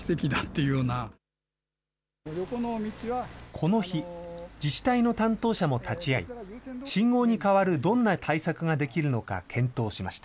この日、自治体の担当者も立ち会い、信号に代わるどんな対策ができるのか、検討しました。